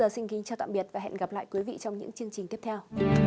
xin kính chào tạm biệt và hẹn gặp lại trong những chương trình tiếp theo